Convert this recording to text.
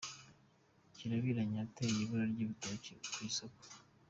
Kirabiranya yateye ibura ry’ibitoki ku isoko